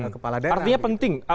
kepala daerah artinya penting